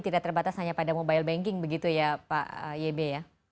tidak terbatas hanya pada mobile banking begitu ya pak yebe ya